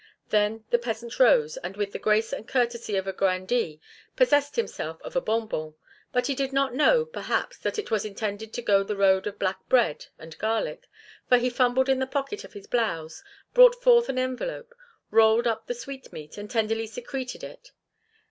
Then the peasant rose, and with the grace and courtesy of a grandee possessed himself of a bonbon. But he did not know, perhaps, that it was intended to go the road of black bread and garlic, for he fumbled in the pocket of his blouse, brought forth an envelope, rolled up the sweetmeat, and tenderly secreted it.